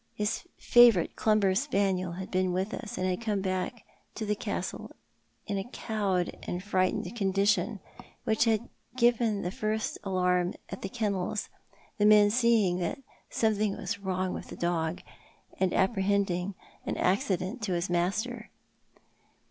His favourite Clumber spaniel had been with him, and had come back to the Castle in a cowed and frightened condition, which had piven tho fir.st alarm at the kennels, the men seeing that something was wrong with the dog, and apprehending an accident to his master.